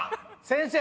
先生